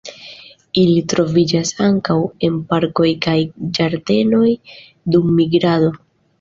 Ili troviĝas ankaŭ en parkoj kaj ĝardenoj dum migrado.